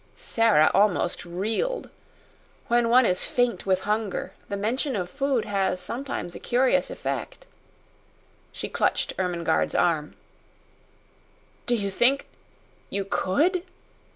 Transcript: Sara almost reeled. When one is faint with hunger the mention of food has sometimes a curious effect. She clutched Ermengarde's arm. "Do you think you COULD?"